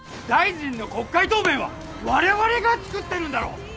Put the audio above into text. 大臣の国会答弁はわれわれが作ってるんだろ！